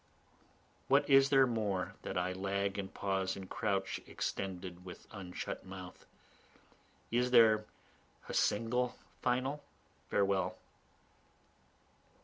What is there more, that I lag and pause and crouch extended with unshut mouth? Is there a single final farewell?